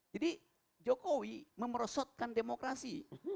jadi jokowi merosotkan demokrasi